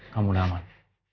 kamu udah aman